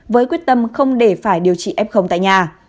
với quyết tâm không để phải điều trị f tại nhà